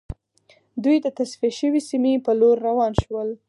دوی د تصفیه شوې سیمې په لور روان شول